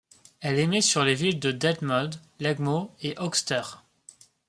Elle émet sur les villes de Detmold, Lemgo et Höxter.